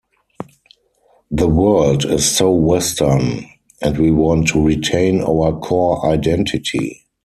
The world is so Western, and we want to retain our core identity.